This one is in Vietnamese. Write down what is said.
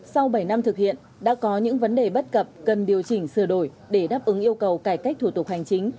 sau bảy năm thực hiện đã có những vấn đề bất cập cần điều chỉnh sửa đổi để đáp ứng yêu cầu cải cách thủ tục hành chính